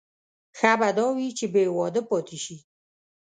ښه به دا وي چې بې واده پاتې شي.